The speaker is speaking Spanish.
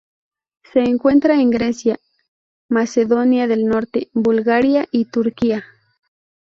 Se encuentra en Grecia, Macedonia del Norte, Bulgaria y Turquía.